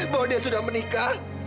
bahwa dia sudah menikah